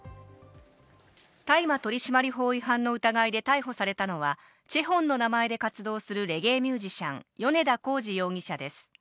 大麻取締法違反の疑いで逮捕されたのはＣＨＥＨＯＮの名前で活動するレゲエミュージシャン、米田洪二容疑者です。